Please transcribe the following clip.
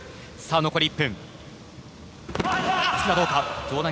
残り１分。